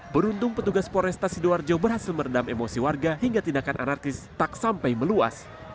beruntung petugas polrestasi doarjo berhasil merendam emosi warga hingga tindakan anarkis tak sampai meluas